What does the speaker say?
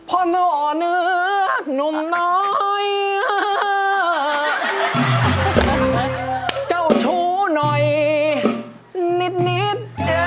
หน่อเนื้อหนุ่มน้อยเจ้าชู้หน่อยนิด